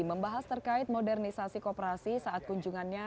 membahas terkait modernisasi kooperasi saat kunjungannya